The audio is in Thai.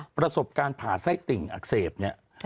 ประสบการณ์ผ่าไส้ติ่งอักเสบเนี่ย